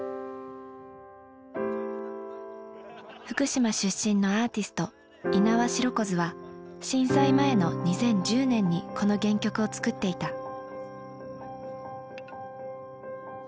福島出身のアーティスト猪苗代湖ズは震災前の２０１０年にこの原曲を作っていた。